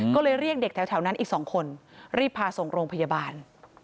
ก็เลยเรียกเด็กแถวนั้นอีก๒คนรีบพาส่งโรงพยาบาล